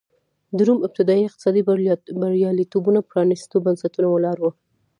د روم ابتدايي اقتصادي بریالیتوبونه پرانېستو بنسټونو ولاړ و.